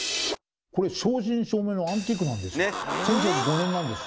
これ正真正銘のアンティークなんです。